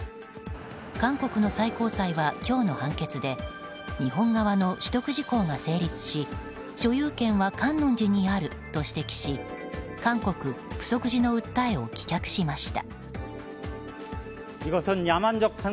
韓国の最高裁は今日の判決で日本側の取得時効が成立し所有権は観音寺にあると指摘し韓国、浮石寺の訴えを棄却しました。